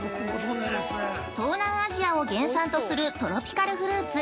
◆東南アジアを原産とするトロピカルフルーツ。